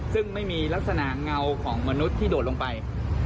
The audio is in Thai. ซึ่งไม่มีลักษณะเงาของมนุษย์ที่โดดลงไป